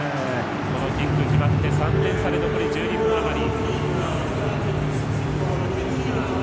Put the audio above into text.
このキック決まって３点差で残り１２分余り。